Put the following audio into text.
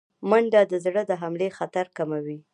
منډه د زړه د حملې خطر کموي